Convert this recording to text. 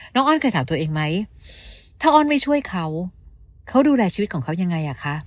อ้อนเคยถามตัวเองไหมถ้าอ้อนไม่ช่วยเขาเขาดูแลชีวิตของเขายังไงอ่ะคะ